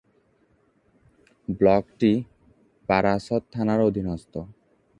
ব্লকটি বারাসত থানার অধীনস্থ।